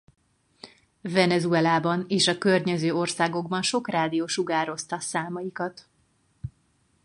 Venezuelában és a környező országokban sok rádió sugározta számaikat.